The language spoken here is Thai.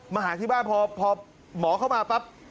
มาหาที่บ้านพอหมอเข้ามาปั๊บ